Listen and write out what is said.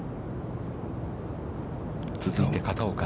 続いて片岡。